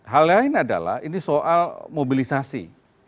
hal lain adalah ini soal mobilisasi